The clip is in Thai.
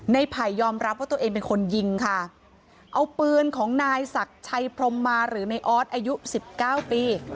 ไผ่ยอมรับว่าตัวเองเป็นคนยิงค่ะเอาปืนของนายศักดิ์ชัยพรมมาหรือในออสอายุสิบเก้าปี